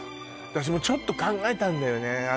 私もちょっと考えたんだよね